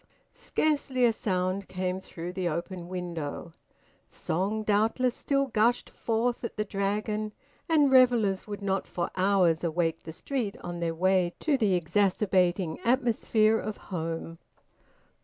Scarcely a sound came through the open window; song doubtless still gushed forth at the Dragon, and revellers would not for hours awake the street on their way to the exacerbating atmosphere of home.